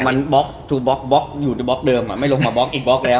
มันบล็อกทูบล็อกบล็อกอยู่ในบล็อกเดิมอ่ะไม่ลงมาบล็อกอินบล็อกแล้ว